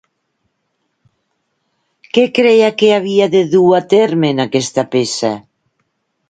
Què creia que havia de dur a terme en aquesta peça?